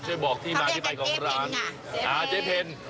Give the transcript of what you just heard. ขอขอให้มีความสุขความเจริญ